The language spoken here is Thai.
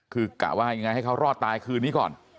คือกะว่ายังไงให้เขารอดตายคืนนี้ก่อน